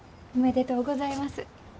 おめでとうございます。